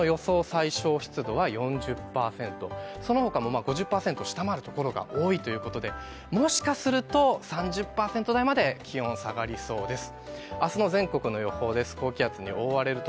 最小湿度は４０％、そのほかも５０％下回るところが多いということでもしかすると３０％台まで下がりそうです。